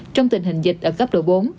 trong tình hình dịch ở cấp độ bốn